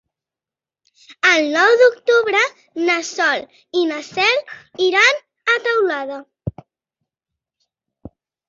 El nou d'octubre na Sol i na Cel iran a Teulada.